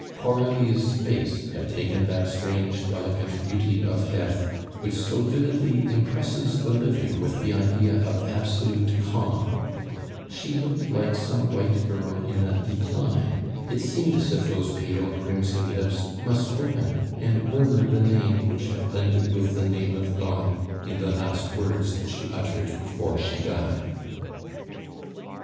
Coralie's face had taken that strange, delicate beauty of death which so vividly impresses the living with the idea of absolute calm; she looked like some white girl in a decline; it seemed as if those pale, crimson lips must open and murmur the name which had blended with the name of God in the last words that she uttered before she died.